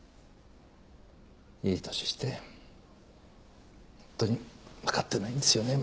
いい年してホントに分かってないんですよね。